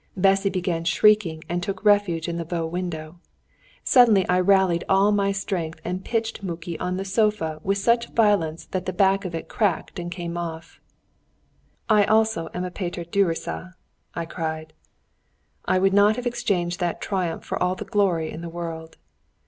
Bessy began shrieking, and took refuge in the bow window. Suddenly I rallied all my strength and pitched Muki on to the sofa with such violence that the back of it cracked and came off. "I also am a Peter Gyuricza!" I cried. I would not have exchanged that triumph for all the glory in the world.